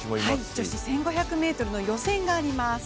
女子１５００ｍの予選があります